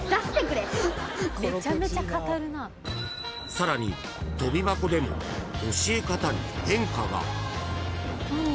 ［さらに跳び箱でも教え方に変化が］